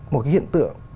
một cái hiện tượng